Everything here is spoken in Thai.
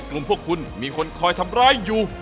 กลุ่มพวกคุณมีคนคอยทำร้ายอยู่